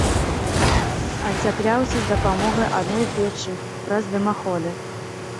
Ацяпляўся з дапамогай адной печы праз дымаходы.